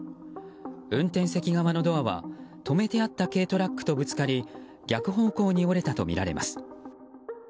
運転席側のドアは、止めてあった軽トラックとぶつかり逆方向に折れたとみられます。